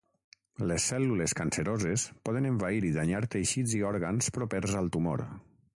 Les cèl·lules canceroses poden envair i danyar teixits i òrgans propers al tumor.